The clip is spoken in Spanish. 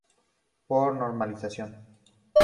Por normalización.